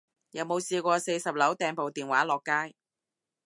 有冇試過四十樓掟部電話落街